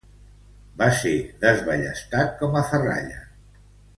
Va ser desballestat com a ferralla.